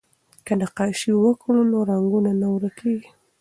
که نقاشي وکړو نو رنګونه نه ورکيږي.